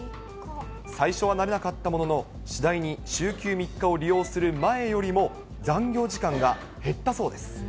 最初は慣れなかったものの、次第に週休３日を利用する前よりも、残業時間が減ったそうです。